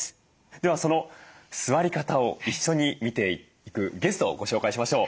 ではその座り方を一緒に見ていくゲストをご紹介しましょう。